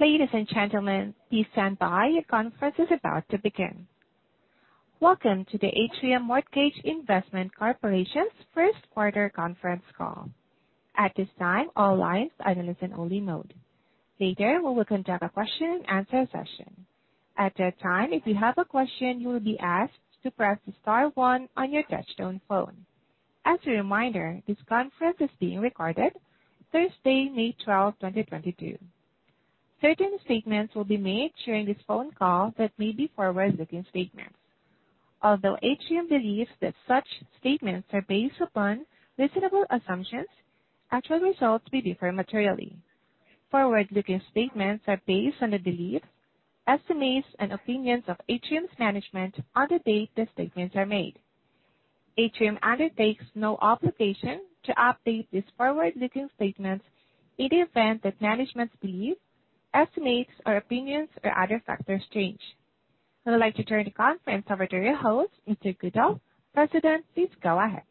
Ladies and gentlemen, please stand by. Your conference is about to begin. Welcome to the Atrium Mortgage Investment Corporation's first quarter conference call. At this time, all lines are in listen-only mode. Later, we will conduct a question-and-answer session. At that time, if you have a question, you will be asked to press star one on your touchtone phone. As a reminder, this conference is being recorded Thursday, May 12, 2022. Certain statements will be made during this phone call that may be forward-looking statements. Although Atrium believes that such statements are based upon reasonable assumptions, actual results may differ materially. Forward-looking statements are based on the belief, estimates, and opinions of Atrium's management on the date the statements are made. Atrium undertakes no obligation to update these forward-looking statements in the event that management's belief, estimates, or opinions or other factors change. I would like to turn the conference over to your host, Mr. Goodall. President, please go ahead.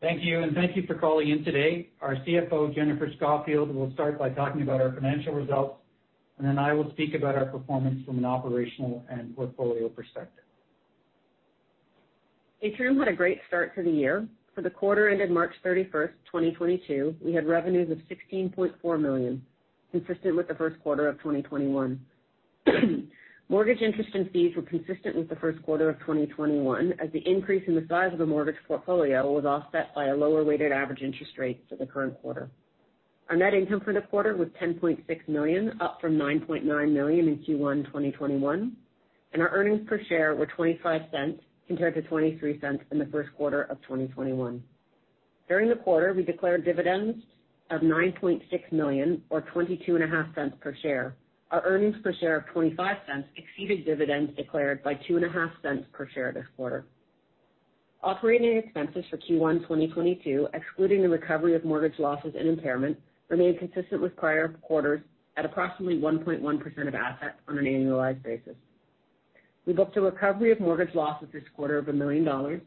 Thank you, and thank you for calling in today. Our CFO, Jennifer Scoffield, will start by talking about our financial results, and then I will speak about our performance from an operational and portfolio perspective. Atrium had a great start to the year. For the quarter ended March 31, 2022, we had revenues of 16.4 million, consistent with the first quarter of 2021. Mortgage interest and fees were consistent with the first quarter of 2021, as the increase in the size of the mortgage portfolio was offset by a lower weighted average interest rate for the current quarter. Our net income for the quarter was 10.6 million, up from 9.9 million in Q1 2021. Our earnings per share were 0.25 compared to 0.23 in the first quarter of 2021. During the quarter, we declared dividends of 9.6 million or 0.225 per share. Our earnings per share of 0.25 exceeded dividends declared by 0.025 per share this quarter. Operating expenses for Q1 2022, excluding the recovery of mortgage losses and impairment, remained consistent with prior quarters at approximately 1.1% of assets on an annualized basis. We booked a recovery of mortgage losses this quarter of 1 million dollars,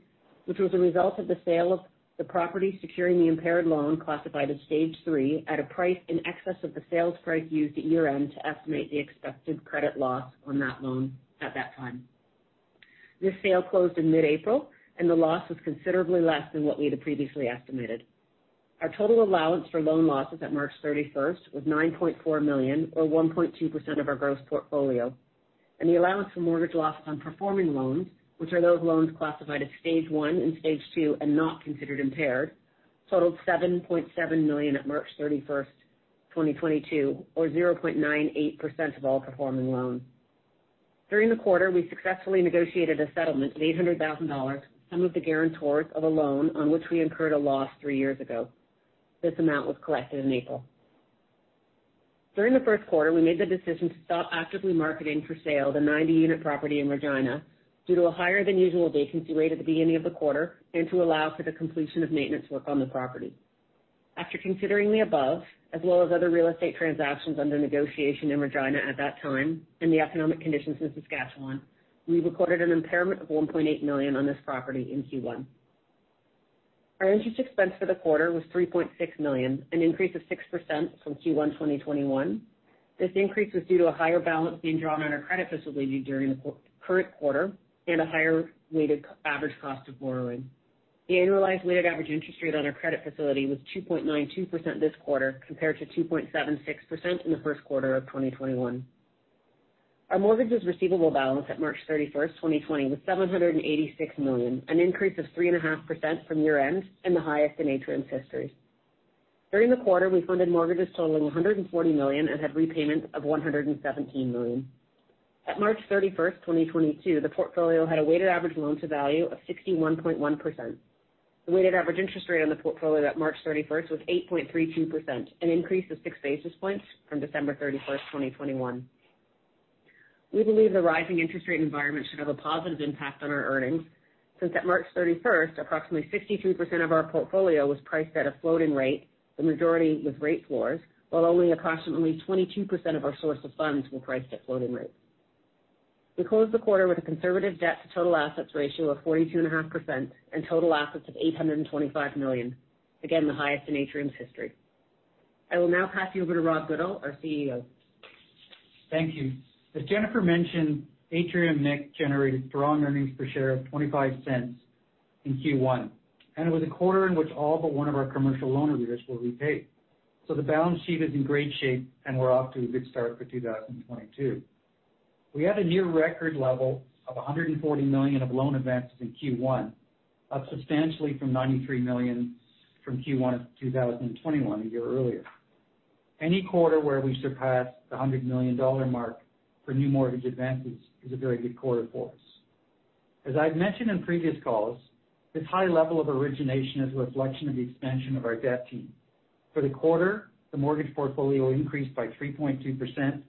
which was a result of the sale of the property securing the impaired loan classified as Stage 3 at a price in excess of the sales price used at year-end to estimate the expected credit loss on that loan at that time. This sale closed in mid-April, and the loss was considerably less than what we had previously estimated. Our total allowance for loan losses at March 31 was 9.4 million, or 1.2% of our gross portfolio. The allowance for mortgage loss on performing loans, which are those loans classified as Stage 1 and Stage 2 and not considered impaired, totaled 7.7 million at March 31, 2022, or 0.98% of all performing loans. During the quarter, we successfully negotiated a settlement of 800,000 dollars from some of the guarantors of a loan on which we incurred a loss three years ago. This amount was collected in April. During the first quarter, we made the decision to stop actively marketing for sale the 90-unit property in Regina due to a higher than usual vacancy rate at the beginning of the quarter and to allow for the completion of maintenance work on the property. After considering the above, as well as other real estate transactions under negotiation in Regina at that time and the economic conditions in Saskatchewan, we recorded an impairment of 1.8 million on this property in Q1. Our interest expense for the quarter was 3.6 million, an increase of 6% from Q1 2021. This increase was due to a higher balance being drawn on our credit facility during the current quarter and a higher weighted average cost of borrowing. The annualized weighted average interest rate on our credit facility was 2.92% this quarter compared to 2.76% in the first quarter of 2021. Our mortgages receivable balance at March 31, 2022, was 786 million, an increase of 3.5% from year-end and the highest in Atrium's history. During the quarter, we funded mortgages totaling 140 million and had repayments of 117 million. At March 31, 2022, the portfolio had a weighted average loan-to-value of 61.1%. The weighted average interest rate on the portfolio at March 31 was 8.32%, an increase of six basis points from December 31, 2021. We believe the rising interest rate environment should have a positive impact on our earnings since at March 31, approximately 62% of our portfolio was priced at a floating rate, the majority with rate floors, while only approximately 22% of our source of funds were priced at floating rates. We closed the quarter with a conservative debt-to-total assets ratio of 42.5% and total assets of 825 million, again, the highest in Atrium's history. I will now pass you over to Rob Goodall, our CEO. Thank you. As Jennifer mentioned, Atrium MIC generated strong earnings per share of 0.25 in Q1, and it was a quarter in which all but one of our commercial loan arrears were repaid. The balance sheet is in great shape, and we're off to a good start for 2022. We had a near record level of 140 million of loan advances in Q1, up substantially from 93 million from Q1 of 2021 a year earlier. Any quarter where we surpass the 100 million dollar mark for new mortgage advances is a very good quarter for us. As I've mentioned in previous calls, this high level of origination is a reflection of the expansion of our debt team. For the quarter, the mortgage portfolio increased by 3.2%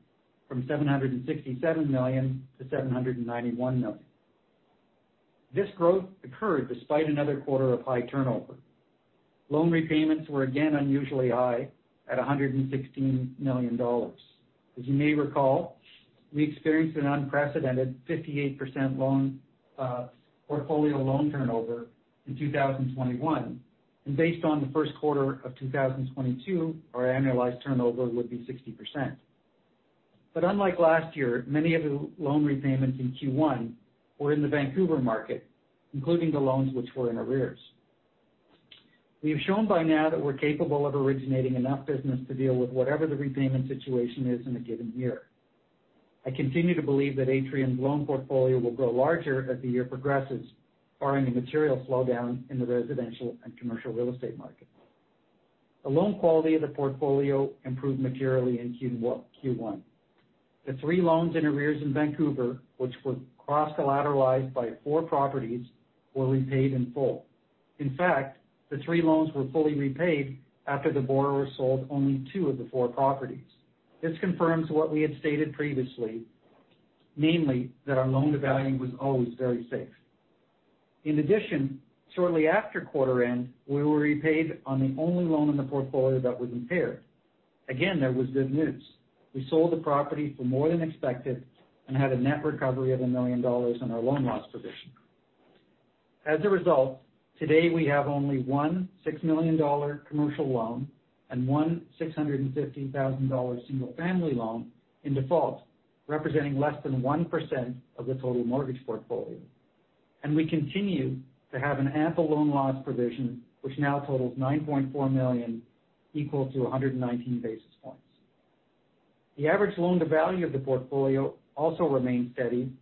from 767 million to 791 million. This growth occurred despite another quarter of high turnover. Loan repayments were again unusually high at 116 million dollars. As you may recall, we experienced an unprecedented 58% portfolio loan turnover in 2021. Based on the first quarter of 2022, our annualized turnover would be 60%. Unlike last year, many of the loan repayments in Q1 were in the Vancouver market, including the loans which were in arrears. We have shown by now that we're capable of originating enough business to deal with whatever the repayment situation is in a given year. I continue to believe that Atrium's loan portfolio will grow larger as the year progresses, barring a material slowdown in the residential and commercial real estate market. The loan quality of the portfolio improved materially in Q1. The three loans in arrears in Vancouver, which were cross-collateralized by four properties, were repaid in full. In fact, the 3 loans were fully repaid after the borrower sold only two of the four properties. This confirms what we had stated previously, namely that our loan-to-value was always very safe. In addition, shortly after quarter end, we were repaid on the only loan in the portfolio that was impaired. Again, that was good news. We sold the property for more than expected and had a net recovery of 1 million dollars on our loan loss provision. As a result, today we have only one 6 million dollar commercial loan and one CAD 650,000 single-family loan in default, representing less than 1% of the total mortgage portfolio. We continue to have an ample loan loss provision, which now totals 9.4 million, equal to 119 basis points. The average loan-to-value of the portfolio also remained steady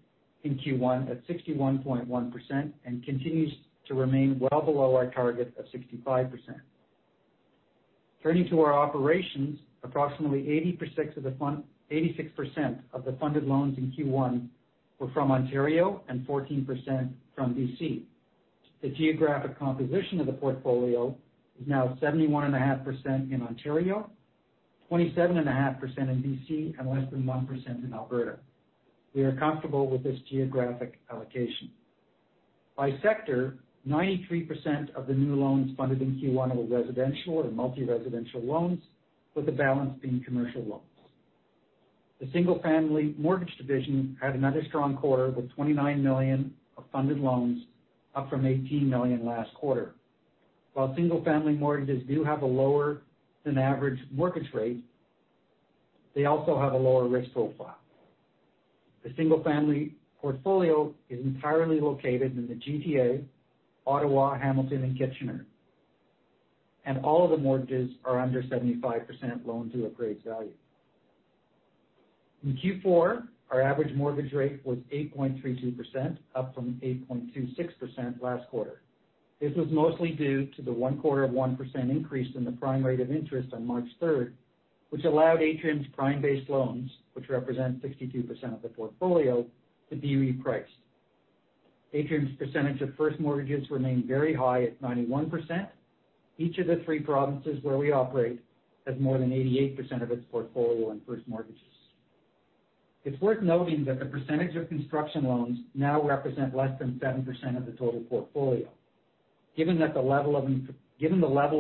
in Q1 at 61.1% and continues to remain well below our target of 65%. Turning to our operations, approximately 86% of the funded loans in Q1 were from Ontario and 14% from BC. The geographic composition of the portfolio is now 71.5% in Ontario, 27.5% in BC, and less than 1% in Alberta. We are comfortable with this geographic allocation. By sector, 93% of the new loans funded in Q1 were residential or multi-residential loans, with the balance being commercial loans. The single-family mortgage division had another strong quarter with 29 million of funded loans, up from 18 million last quarter. While single-family mortgages do have a lower than average mortgage rate, they also have a lower risk profile. The single-family portfolio is entirely located in the GTA, Ottawa, Hamilton, and Kitchener. All of the mortgages are under 75% loan to appraised value. In Q4, our average mortgage rate was 8.32%, up from 8.26% last quarter. This was mostly due to the 0.25% increase in the prime rate of interest on March third, which allowed Atrium's prime-based loans, which represent 62% of the portfolio, to be repriced. Atrium's percentage of first mortgages remain very high at 91%. Each of the three provinces where we operate has more than 88% of its portfolio in first mortgages. It's worth noting that the percentage of construction loans now represent less than 7% of the total portfolio. Given the level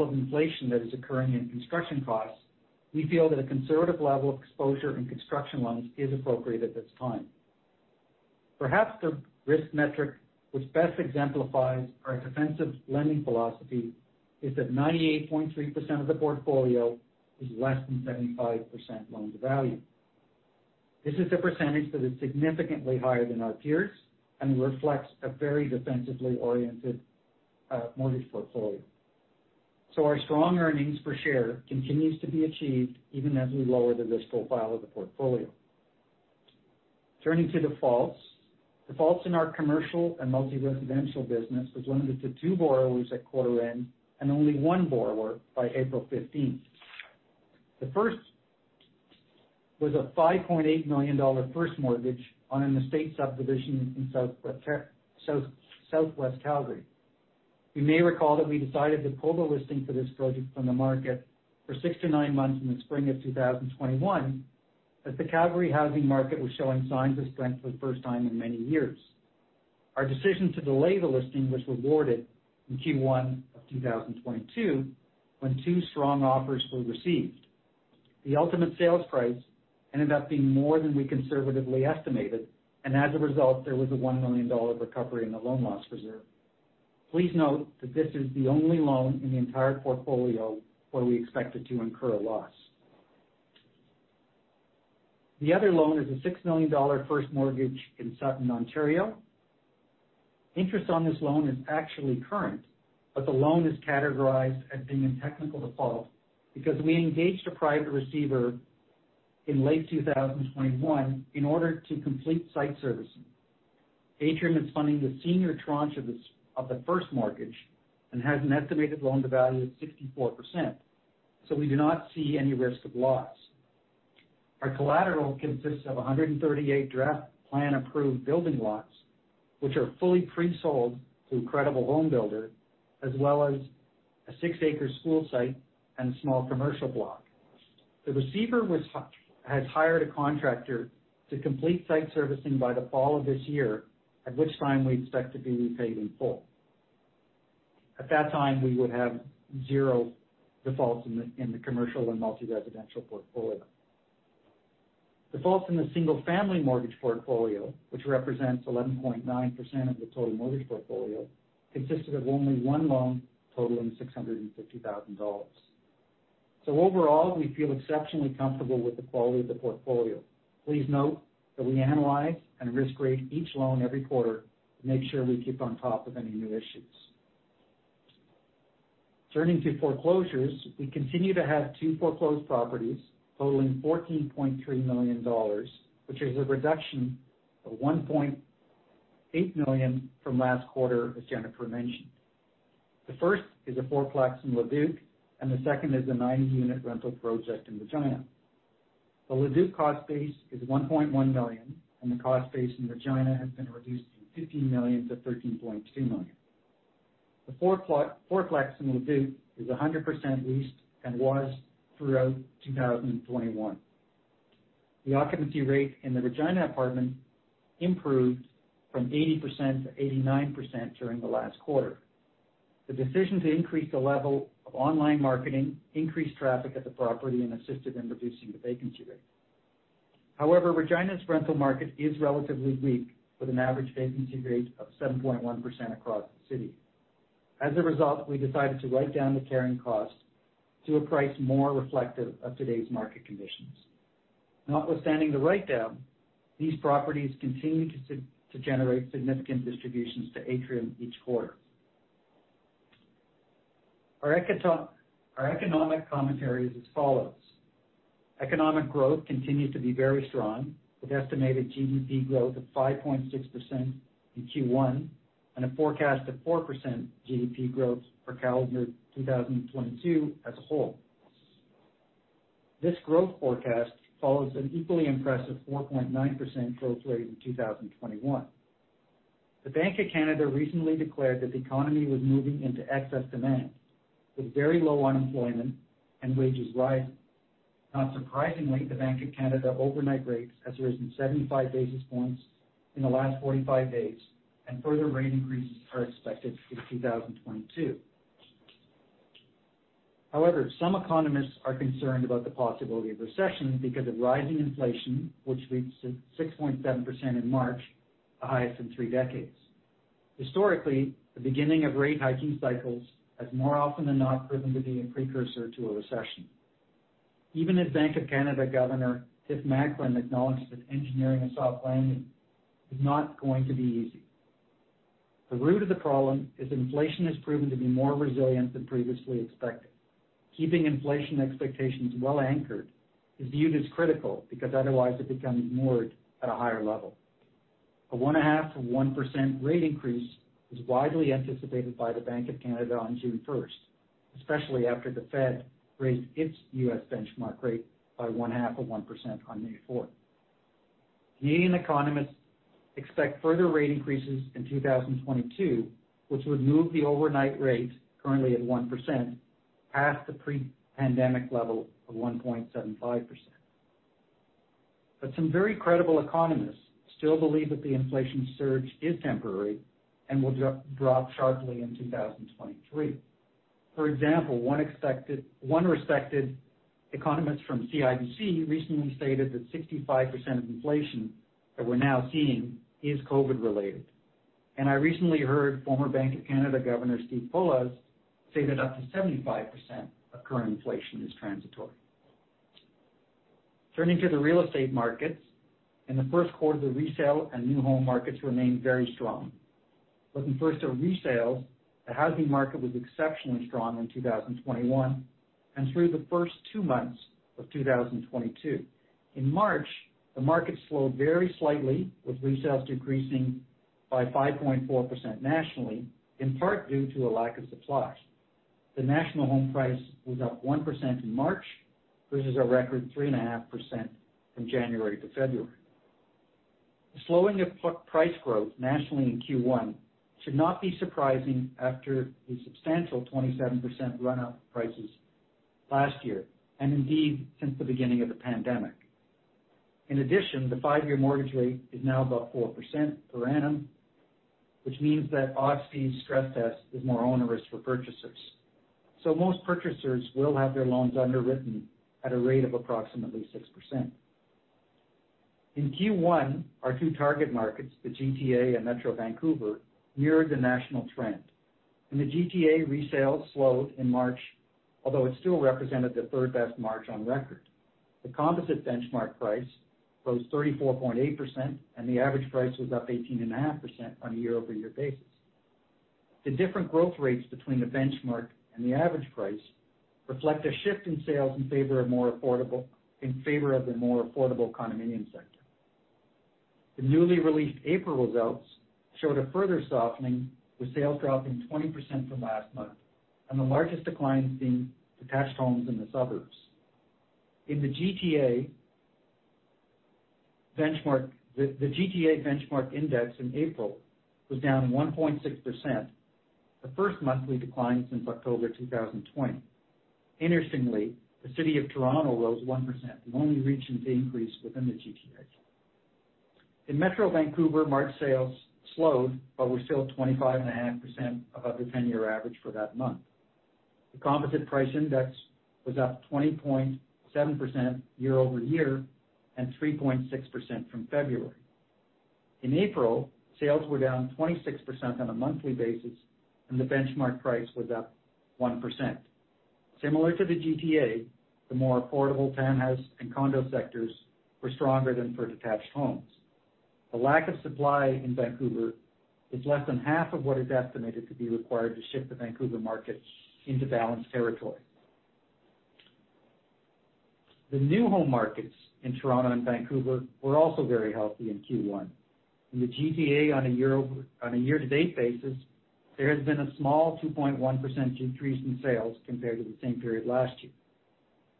of inflation that is occurring in construction costs, we feel that a conservative level of exposure in construction loans is appropriate at this time. Perhaps the risk metric which best exemplifies our defensive lending philosophy is that 98.3% of the portfolio is less than 75% loan-to-value. This is a percentage that is significantly higher than our peers and reflects a very defensively oriented mortgage portfolio. Our strong earnings per share continues to be achieved even as we lower the risk profile of the portfolio. Turning to defaults. Defaults in our commercial and multi-residential business was limited to 2 borrowers at quarter end and only 1 borrower by April 15. The first was a 5.8 million dollar first mortgage on an estate subdivision in Southwest Calgary. You may recall that we decided to pull the listing for this project from the market for 6-9 months in the spring of 2021, as the Calgary housing market was showing signs of strength for the first time in many years. Our decision to delay the listing was rewarded in Q1 of 2022, when 2 strong offers were received. The ultimate sales price ended up being more than we conservatively estimated, and as a result, there was a 1 million dollar recovery in the loan loss reserve. Please note that this is the only loan in the entire portfolio where we expected to incur a loss. The other loan is a 6 million dollar first mortgage in Sutton, Ontario. Interest on this loan is actually current, but the loan is categorized as being in technical default because we engaged a private receiver in late 2021 in order to complete site servicing. Atrium is funding the senior tranche of the first mortgage and has an estimated loan-to-value of 64%. We do not see any risk of loss. Our collateral consists of 138 draft plan-approved building lots, which are fully pre-sold to a credible home builder, as well as a 6-acre school site and a small commercial block. The receiver has hired a contractor to complete site servicing by the fall of this year, at which time we expect to be repaid in full. At that time, we would have 0 defaults in the commercial and multi-residential portfolio. Defaults in the single-family mortgage portfolio, which represents 11.9% of the total mortgage portfolio, consisted of only 1 loan totaling 650,000 dollars. Overall, we feel exceptionally comfortable with the quality of the portfolio. Please note that we analyze and risk rate each loan every quarter to make sure we keep on top of any new issues. Turning to foreclosures, we continue to have 2 foreclosed properties totaling 14.3 million dollars, which is a reduction of 1.8 million from last quarter, as Jennifer mentioned. The first is a 4-plex in Leduc, and the second is a 9-unit rental project in Regina. The Leduc cost base is 1.1 million, and the cost base in Regina has been reduced from 15 million to 13.2 million. The 4-plex in Leduc is 100% leased and was throughout 2021. The occupancy rate in the Regina apartment improved from 80% to 89% during the last quarter. The decision to increase the level of online marketing increased traffic at the property and assisted in reducing the vacancy rate. However, Regina's rental market is relatively weak with an average vacancy rate of 7.1% across the city. As a result, we decided to write down the carrying cost to a price more reflective of today's market conditions. Notwithstanding the write-down, these properties continue to generate significant distributions to Atrium each quarter. Our economic commentary is as follows: Economic growth continues to be very strong, with estimated GDP growth of 5.6% in Q1 and a forecast of 4% GDP growth for calendar 2022 as a whole. This growth forecast follows an equally impressive 4.9% growth rate in 2021. The Bank of Canada recently declared that the economy was moving into excess demand, with very low unemployment and wages rising. Not surprisingly, the Bank of Canada overnight rates has risen 75 basis points in the last 45 days, and further rate increases are expected in 2022. However, some economists are concerned about the possibility of recession because of rising inflation, which reached 6.7% in March, the highest in three decades. Historically, the beginning of rate hiking cycles has more often than not proven to be a precursor to a recession. Even as Bank of Canada Governor Tiff Macklem acknowledged that engineering a soft landing is not going to be easy. The root of the problem is inflation has proven to be more resilient than previously expected. Keeping inflation expectations well anchored is viewed as critical because otherwise it becomes moored at a higher level. A 1.5%-1% rate increase is widely anticipated by the Bank of Canada on June first, especially after the Fed raised its U.S. benchmark rate by 0.5% on May fourth. Leading economists expect further rate increases in 2022, which would move the overnight rate, currently at 1%, past the pre-pandemic level of 1.75%. Some very credible economists still believe that the inflation surge is temporary and will drop sharply in 2023. For example, one respected economist from CIBC recently stated that 65% of inflation that we're now seeing is COVID-related. I recently heard former Bank of Canada Governor Steve Poloz say that up to 75% of current inflation is transitory. Turning to the real estate markets. In the first quarter, the resale and new home markets remained very strong. Looking first at resales, the housing market was exceptionally strong in 2021 and through the first two months of 2022. In March, the market slowed very slightly, with resales decreasing by 5.4% nationally, in part due to a lack of supply. The national home price was up 1% in March, versus a record 3.5% from January to February. The slowing of price growth nationally in Q1 should not be surprising after the substantial 27% run-up prices last year, and indeed since the beginning of the pandemic. In addition, the five-year mortgage rate is now about 4% per annum, which means that OSFI's stress test is more onerous for purchasers. Most purchasers will have their loans underwritten at a rate of approximately 6%. In Q1, our two target markets, the GTA and Metro Vancouver, mirrored the national trend. In the GTA, resales slowed in March, although it still represented the third-best March on record. The composite benchmark price rose 34.8%, and the average price was up 18.5% on a year-over-year basis. The different growth rates between the benchmark and the average price reflect a shift in sales in favor of the more affordable condominium sector. The newly released April results showed a further softening, with sales dropping 20% from last month and the largest decline seen for detached homes in the suburbs. In the GTA benchmark index in April was down 1.6%, the first monthly decline since October 2020. Interestingly, the city of Toronto rose 1%, the only region to increase within the GTA. In Metro Vancouver, March sales slowed, but were still 25.5% above the 10-year average for that month. The composite price index was up 20.7% year-over-year and 3.6% from February. In April, sales were down 26% on a monthly basis, and the benchmark price was up 1%. Similar to the GTA, the more affordable townhouse and condo sectors were stronger than for detached homes. The lack of supply in Vancouver is less than half of what is estimated to be required to shift the Vancouver market into balanced territory. The new home markets in Toronto and Vancouver were also very healthy in Q1. In the GTA on a year-to-date basis, there has been a small 2.1% decrease in sales compared to the same period last year.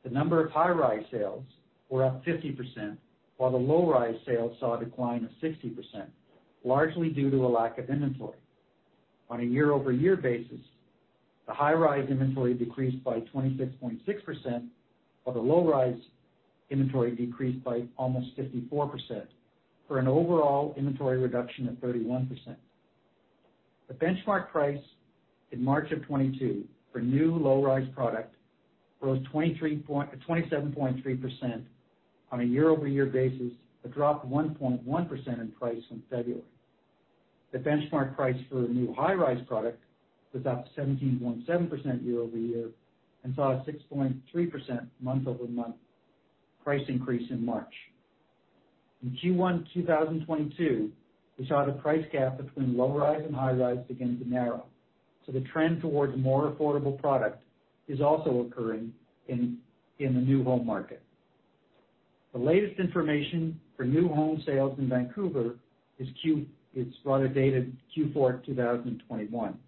The number of high-rise sales were up 50%, while the low-rise sales saw a decline of 60%, largely due to a lack of inventory. On a year-over-year basis, the high-rise inventory decreased by 26.6%, while the low-rise inventory decreased by almost 54%, for an overall inventory reduction of 31%. The benchmark price in March 2022 for new low-rise product rose 27.3% on a year-over-year basis, but dropped 1.1% in price from February. The benchmark price for a new high-rise product was up 17.7% year over year and saw a 6.3% month-over-month price increase in March. In Q1 2022, we saw the price gap between low-rise and high-rise begin to narrow. The trend towards more affordable product is also occurring in the new home market. The latest information for new home sales in Vancouver is rather dated to Q4 2021.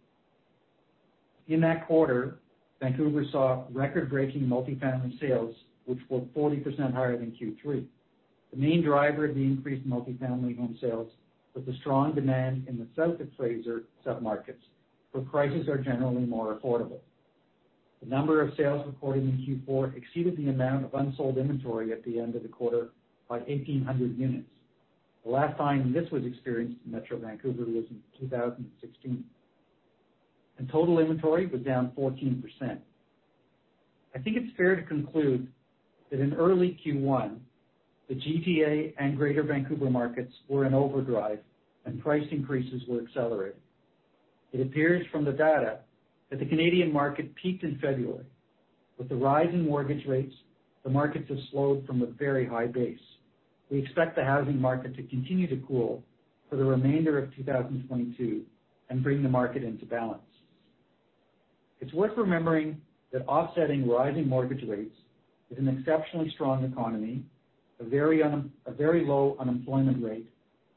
In that quarter, Vancouver saw record-breaking multifamily sales, which were 40% higher than Q3. The main driver of the increased multifamily home sales was the strong demand in the South of Fraser submarkets, where prices are generally more affordable. The number of sales reported in Q4 exceeded the amount of unsold inventory at the end of the quarter by 1,800 units. The last time this was experienced in Metro Vancouver was in 2016. Total inventory was down 14%. I think it's fair to conclude that in early Q1, the GTA and Greater Vancouver markets were in overdrive and price increases were accelerated. It appears from the data that the Canadian market peaked in February. With the rising mortgage rates, the markets have slowed from a very high base. We expect the housing market to continue to cool for the remainder of 2022 and bring the market into balance. It's worth remembering that offsetting rising mortgage rates is an exceptionally strong economy, a very low unemployment rate,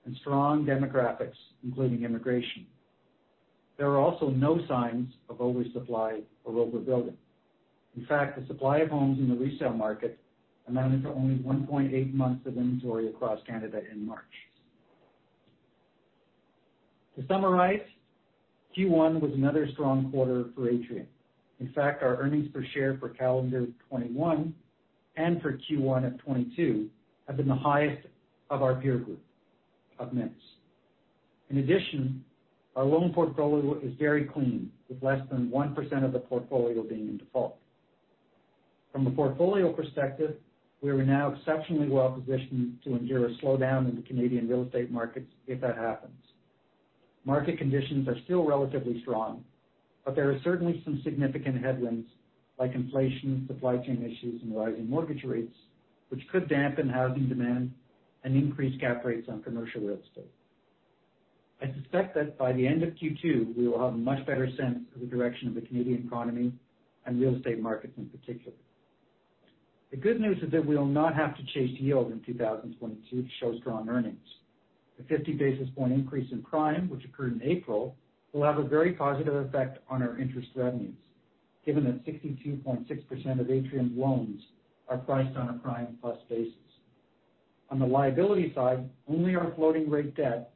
and strong demographics, including immigration. There are also no signs of oversupply or overbuilding. In fact, the supply of homes in the resale market amounted to only 1.8 months of inventory across Canada in March. To summarize, Q1 was another strong quarter for Atrium. In fact, our earnings per share for calendar 2021 and for Q1 of 2022 have been the highest of our peer group of MICs. In addition, our loan portfolio is very clean, with less than 1% of the portfolio being in default. From a portfolio perspective, we are now exceptionally well positioned to endure a slowdown in the Canadian real estate markets if that happens. Market conditions are still relatively strong, but there are certainly some significant headwinds like inflation, supply chain issues, and rising mortgage rates, which could dampen housing demand and increase cap rates on commercial real estate. I suspect that by the end of Q2, we will have a much better sense of the direction of the Canadian economy and real estate markets in particular. The good news is that we will not have to chase yield in 2022 to show strong earnings. The 50 basis point increase in prime, which occurred in April, will have a very positive effect on our interest revenues, given that 62.6% of Atrium's loans are priced on a prime plus basis. On the liability side, only our floating rate debt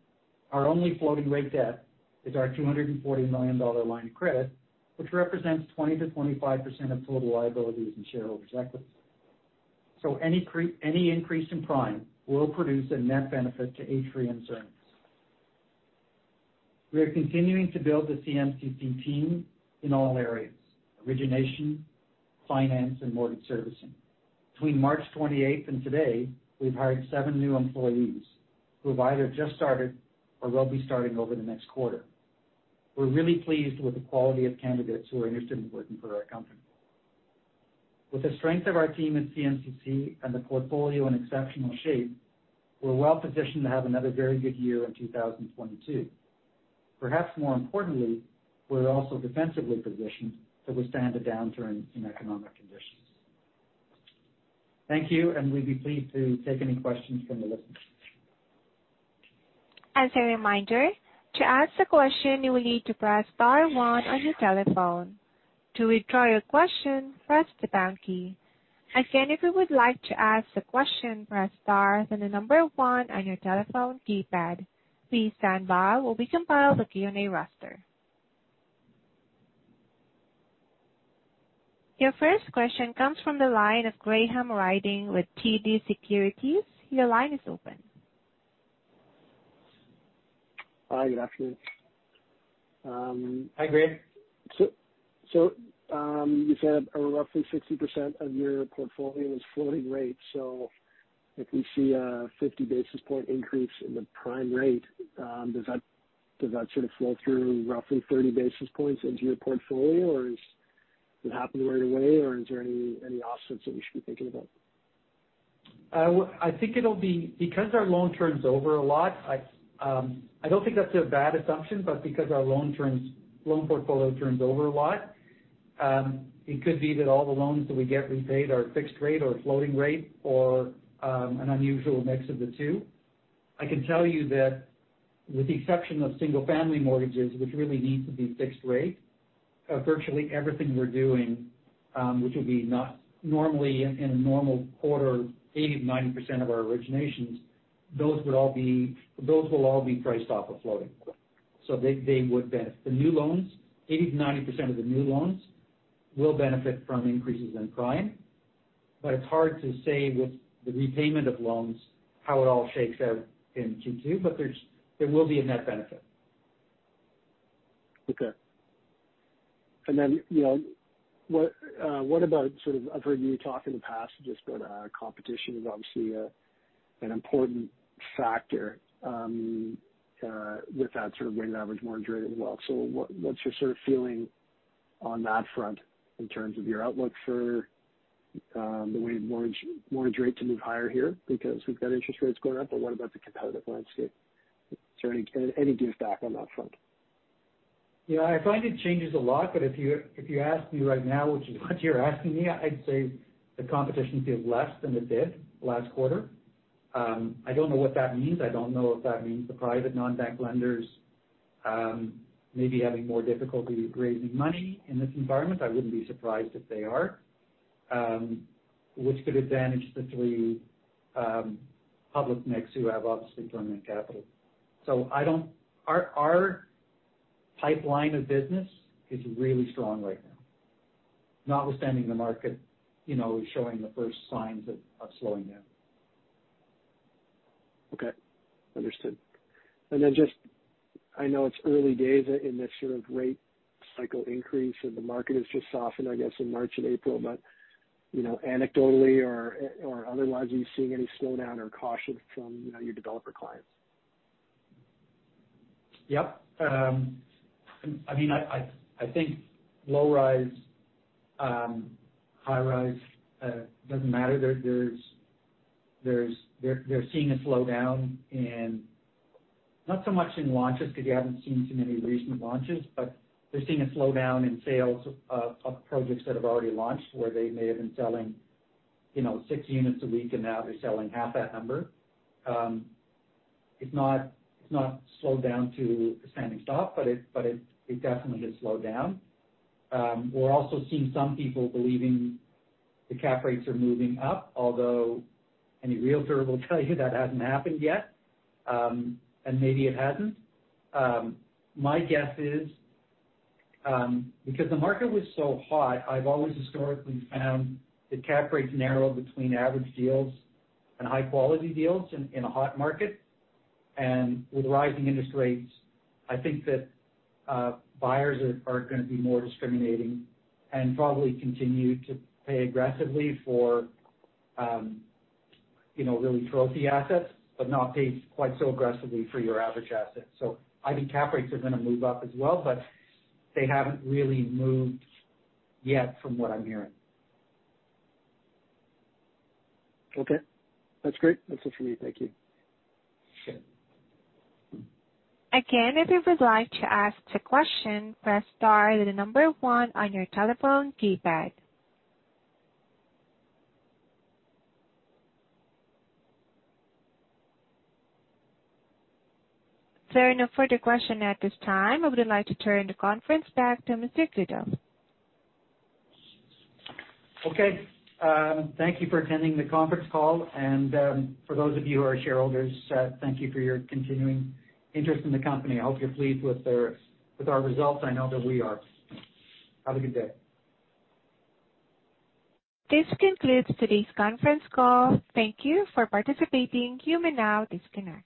is our 240 million dollar line of credit, which represents 20%-25% of total liabilities and shareholders' equity. Any increase in prime will produce a net benefit to Atrium's earnings. We are continuing to build the CMCC team in all areas, origination, finance, and mortgage servicing. Between March twenty-eighth and today, we've hired seven new employees who have either just started or will be starting over the next quarter. We're really pleased with the quality of candidates who are interested in working for our company. With the strength of our team at CMCC and the portfolio in exceptional shape, we're well-positioned to have another very good year in 2022. Perhaps more importantly, we're also defensively positioned to withstand a downturn in economic conditions. Thank you, and we'd be pleased to take any questions from the listeners. As a reminder, to ask a question, you will need to press star one on your telephone. To withdraw your question, press the pound key. Again, if you would like to ask a question, press star, then the number one on your telephone keypad. Please stand by while we compile the Q&A roster. Your first question comes from the line of Graham Ryding with TD Securities. Your line is open. Hi, good afternoon. Hi, Graham. You said roughly 60% of your portfolio is floating rates. If we see a 50 basis point increase in the prime rate, does that flow through roughly 30 basis points into your portfolio, or is it happening right away, or is there any offsets that we should be thinking about? I think it'll be because our loan portfolio turns over a lot. I don't think that's a bad assumption, but because our loan portfolio turns over a lot, it could be that all the loans that we get repaid are fixed rate or floating rate or an unusual mix of the two. I can tell you that with the exception of single-family mortgages, which really need to be fixed rate, virtually everything we're doing, which will normally be in a normal quarter, 80%-90% of our originations, those will all be priced off of floating. They would benefit. The new loans, 80%-90% of the new loans will benefit from increases in prime. It's hard to say with the repayment of loans how it all shakes out in Q2, but there will be a net benefit. Okay. What about I've heard you talk in the past just about competition is obviously an important factor with that weighted average mortgage rate as well. What's your feeling on that front in terms of your outlook for the way mortgage rate to move higher here because we've got interest rates going up, but what about the competitive landscape? Is there any pushback on that front? I find it changes a lot, but if you ask me right now what you're asking me, I'd say the competition feels less than it did last quarter. I don't know what that means. I don't know if that means the private non-bank lenders may be having more difficulty raising money in this environment. I wouldn't be surprised if they are, which could advantage the three public MICs who have obviously permanent capital. Our pipeline of business is really strong right now, notwithstanding the market showing the first signs of slowing down. Okay. Understood. Just, I know it's early days in this rate cycle increase, and the market has just softened in March and April. Anecdotally or otherwise, are you seeing any slowdown or caution from your developer clients? Yep. I think low-rise, high-rise, doesn't matter. They're seeing a slowdown not so much in launches because you haven't seen too many recent launches, but they're seeing a slowdown in sales of projects that have already launched where they may have been selling six units a week and now they're selling half that number. It's not slowed down to a standing stop, but it definitely has slowed down. We're also seeing some people believing the cap rates are moving up, although any realtor will tell you that hasn't happened yet, and maybe it hasn't. My guess is, because the market was so hot, I've always historically found that cap rates narrow between average deals and high-quality deals in a hot market. With rising interest rates, I think that buyers are gonna be more discriminating and probably continue to pay aggressively for trophy assets, but not pay quite so aggressively for your average asset. I think cap rates are gonna move up as well, but they haven't really moved yet from what I'm hearing. Okay. That's great. That's it for me. Thank you. Sure. Again, if you would like to ask a question, press star then the number one on your telephone keypad. There are no further questions at this time. I would like to turn the conference back to Mr. Goodall. Okay. Thank you for attending the conference call. For those of you who are shareholders, thank you for your continuing interest in the company. I hope you're pleased with our results. I know that we are. Have a good day. This concludes today's conference call. Thank you for participating. You may now disconnect.